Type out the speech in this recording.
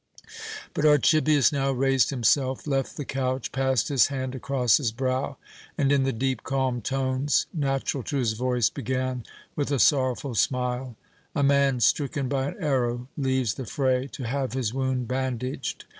But Archibius now raised himself, left the couch, passed his hand across his brow, and in the deep, calm tones natural to his voice, began with a sorrowful smile: "A man stricken by an arrow leaves the fray to have his wound bandaged.